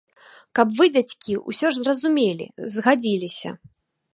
Каб вы, дзядзькі, усё ж зразумелі, згадзіліся.